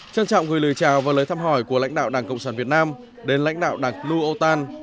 trân trọng gửi lời chào và lời thăm hỏi của lãnh đạo đảng cộng sản việt nam đến lãnh đạo đảng lu ottan